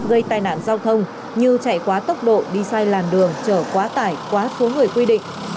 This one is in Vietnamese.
gây tai nạn giao thông như chạy quá tốc độ đi sai làn đường chở quá tải quá số người quy định